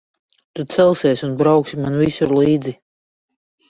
Tu celsies un brauksi man visur līdzi.